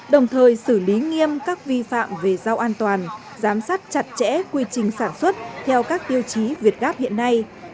đồng thời xử lý nghiêm các vi phạm về rau an toàn giám sát chặt chẽ quy trình sản xuất theo các tiêu chí việt gáp hiện nay